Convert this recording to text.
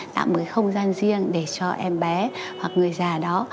tạo một cái không gian riêng để cho em bé hoặc người già đó